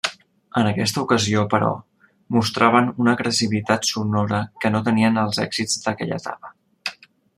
En aquesta ocasió, però, mostraven una agressivitat sonora que no tenien els èxits d'aquella etapa.